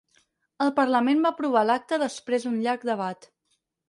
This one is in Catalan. El parlament va aprovar l'acta després d'un llarg debat.